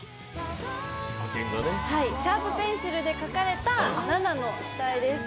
シャープペンシルで描かれた「ＮＡＮＡ」の下絵です。